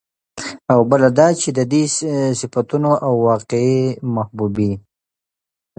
او بله دا چې د دې صفتونو او واقعي محبوبې